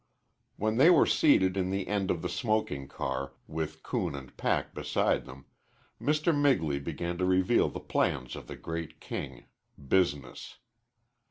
When they were seated in the end of the smoking car, with coon and pack beside them, Mr. Migley began to reveal the plans of the great king, Business.